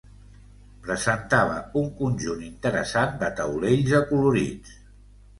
Presentava un conjunt interessant de taulells acolorits.